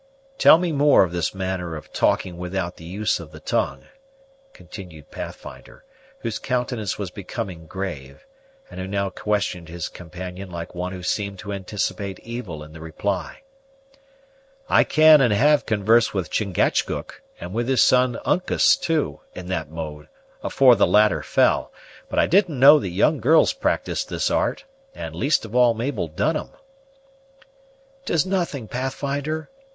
"Tell me more of this manner of talking without the use of the tongue," continued Pathfinder, whose countenance was becoming grave, and who now questioned his companion like one who seemed to anticipate evil in the reply. "I can and have conversed with Chingachgook, and with his son Uncas too, in that mode, afore the latter fell; but I didn't know that young girls practysed this art, and, least of all, Mabel Dunham." "'Tis nothing, Pathfinder.